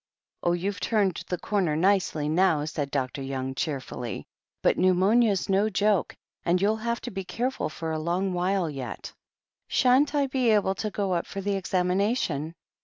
'Oh, you've turned the corner nicely now," said Dr. Young cheerfully. "But pneumonia's no joke, and you'll have to be careful for a long while yet." "Shan't I be able to go up for the examination